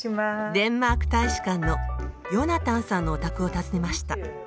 デンマーク大使館のヨナタンさんのお宅を訪ねました。